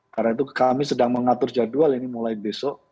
karena itu kami sedang mengatur jadwal ini mulai besok